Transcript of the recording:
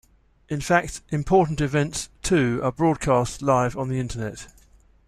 In fact, important events too are broadcast live on the internet.